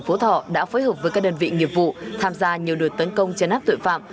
phú thọ đã phối hợp với các đơn vị nghiệp vụ tham gia nhiều đợt tấn công chấn áp tội phạm